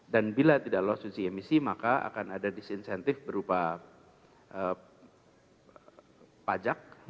dan bila tidak lolos uji emisi maka akan ada disinsentif berupa pajak